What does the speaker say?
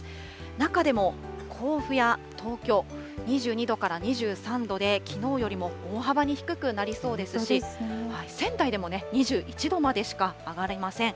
中でも甲府や東京、２２度から２３度で、きのうよりも大幅に低くなりそうですし、仙台でも２１度までしか上がりません。